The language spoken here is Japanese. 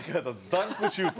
ダンクシュート。